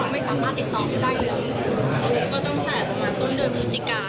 ไม่สามารถติดต่อได้หรอกก็ตั้งแต่ประมาณต้นเดินวิจิกา